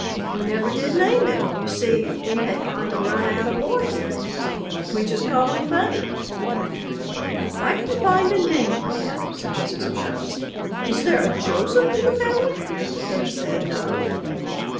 "We never did name him; you see we had kind of run out of boys' names. We just called him Buddy." "I can find a name for him," said Mrs. O'Shaughnessy. "Is there a Joseph in the family?" Hettie said no.